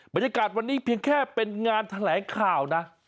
บรรยากาศวันนี้เพียงแค่เป็นงานแถลงข่าวนะ